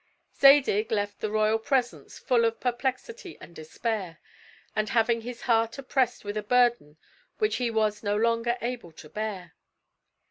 Zadig left the royal presence full of perplexity and despair, and having his heart oppressed with a burden which he was no longer able to bear.